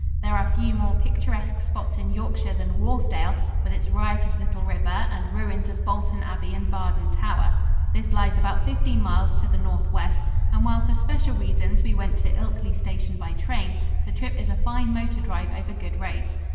There are few more picturesque spots in Yorkshire than Wharfdale, with its riotous little river and ruins of Bolton Abbey and Barden Tower. This lies about fifteen miles to the northwest, and while for special reasons we went to Ilkley Station by train, the trip is a fine motor drive over good roads.